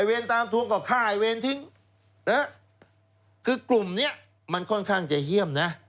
เวรตามทวงก็ฆ่าไอ้เวรทิ้งนะฮะคือกลุ่มเนี้ยมันค่อนข้างจะเยี่ยมนะ